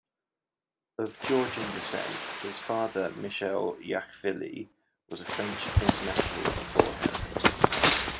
Of Georgian descent, his father Michel Yachvili was a French international before him.